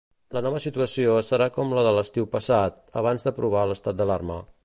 La nova situació serà com la de l'estiu passat, abans d'aprovar l'estat d'alarma.